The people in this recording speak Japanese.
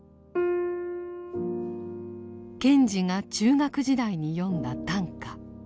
賢治が中学時代に詠んだ短歌。